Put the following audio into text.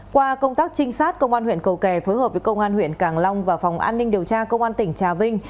qua công tác trinh sát công an huyện cầu kè phối hợp với công an huyện càng long và phòng an ninh điều tra công an tỉnh trà vinh